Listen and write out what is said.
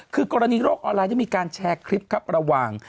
คือกรณีโลกออนไลน์ได้มีการแชร์คลิปครับระหว่าง